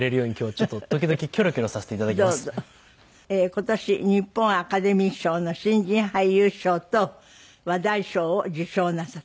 今年日本アカデミー賞の新人俳優賞と話題賞を受賞なさった。